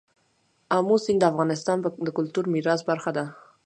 آمو سیند د افغانستان د کلتوري میراث برخه ده.